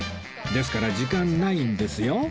ですから時間ないんですよ